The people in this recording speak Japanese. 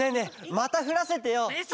またふらせてよ。